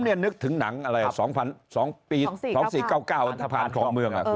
ผมเนี่ยนึกถึงหนังอะไร๒ปี๒๔๙๙อันทภัณฑ์ของเมือง